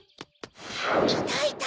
いたいた！